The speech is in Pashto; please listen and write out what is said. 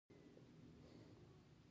منډه له خپګانه خلاصون ده